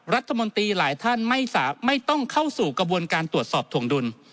รัฐมนตรีหลายท่านไม่ต้องเข้าสู่กระบวนการตรวจสอบถวงดุล